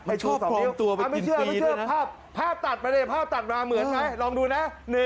มันชอบปลอมตัวไปกินกรีดด้วยนะไม่เชื่อภาพตัดมาเลยภาพตัดมาเหมือนไหมลองดูนะ